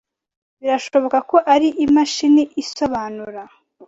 Birashoboka ko ari imashini isobanura.